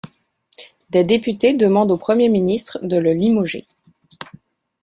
Des députés demandent au Premier ministre de le limoger.